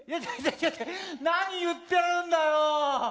何言ってるんだよ。